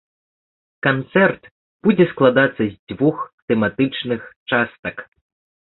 Канцэрт будзе складацца з дзвюх тэматычных частак.